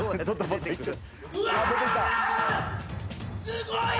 すごい！